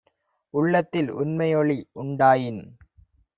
உள்ளத்தில் உண்மையொளி யுண்டாயின்